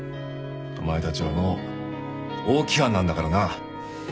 お前たちはもう大木班なんだからな。